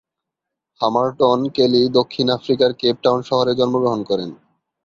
হামারটন-কেলি দক্ষিণ আফ্রিকার Cape town শহরে জন্মগ্রহণ করেন।